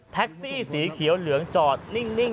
แพ็คซี่สีเขียวเหลืองจอดนิ่ง